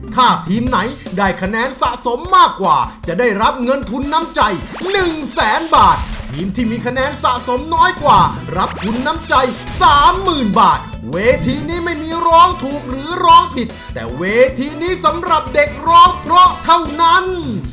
ถ้าทีมไหนได้คะแนนสะสมมากกว่าจะได้รับเงินทุนน้ำใจหนึ่งแสนบาททีมที่มีคะแนนสะสมน้อยกว่ารับทุนน้ำใจสามหมื่นบาทเวทีนี้ไม่มีร้องถูกหรือร้องผิดแต่เวทีนี้สำหรับเด็กร้องเพราะเท่านั้น